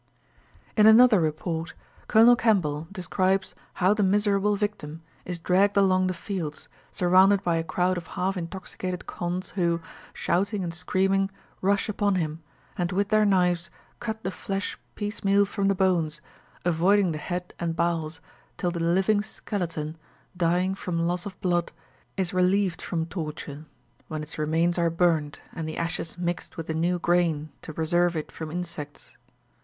In another report, Colonel Campbell describes how the miserable victim is dragged along the fields, surrounded by a crowd of half intoxicated Kondhs who, shouting and screaming, rush upon him, and with their knives cut the flesh piecemeal from the bones, avoiding the head and bowels, till the living skeleton, dying from loss of blood, is relieved from torture, when its remains are burnt, and the ashes mixed with the new grain to preserve it from insects.